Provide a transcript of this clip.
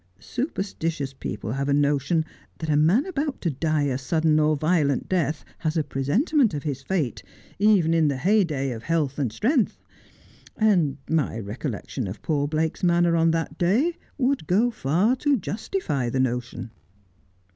Superstitious people have a notion that a man about to die a sudden or violent death has a presentiment of his fate, even in the heyday of health and strength. And my re collection of poor Blake's manner on that day would go far to justify the notion.'